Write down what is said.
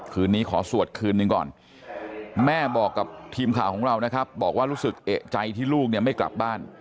คืนนี้ขอสวดคืนหนึ่งก่อนแม่บอกกับทีมข่าวของเรานะครับบอกว่ารู้สึกเอกใจที่ลูกเนี่ยไม่กลับบ้าน